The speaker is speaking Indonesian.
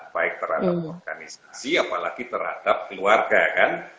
baik terhadap organisasi apalagi terhadap keluarga kan